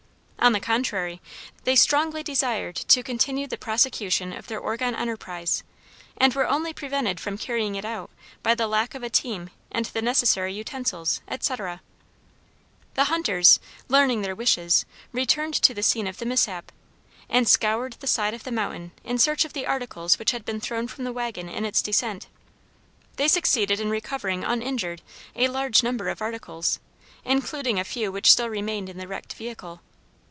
On the contrary, they strongly desired to continue the prosecution of their Oregon enterprise, and were only prevented from carrying it out by the lack of a team and the necessary utensils, etc. The hunters, learning their wishes, returned to the scene of the mishap, and scoured the side of the mountain in search of the articles which had been thrown from the wagon in its descent. They succeeded in recovering uninjured a large number of articles, including a few which still remained in the wrecked vehicle.